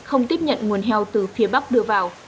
không tiếp nhận nguồn heo từ phía bắc đưa vào